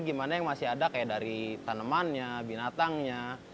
gimana yang masih ada kayak dari tanamannya binatangnya